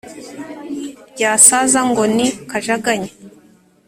Ryasaza ngo ni ”Kajaganya”